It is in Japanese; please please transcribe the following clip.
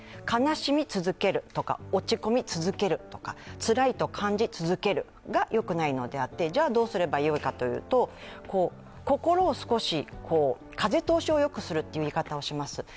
悲しみ続けるとか、落ち込み続けるとかつらいと感じ続けるのがつらいのであってじゃあどうすればよいかというと心を風通しをよくするという言い方をします。